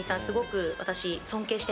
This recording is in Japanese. すごく私。